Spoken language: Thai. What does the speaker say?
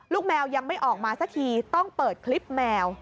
แมวยังไม่ออกมาสักทีต้องเปิดคลิปแมว